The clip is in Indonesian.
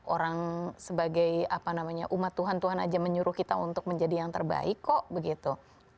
orang sebagai apa namanya umat tuhan tuhan aja menyuruh kita untuk menjadi yang terbaik kok begitu